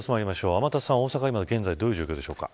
天達さん、大阪、現在どういう状況ですか。